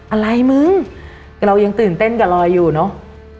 อะไรมึงเรายังตื่นเต้นกับรอยอยู่เนอะ